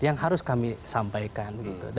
yang harus kami sampaikan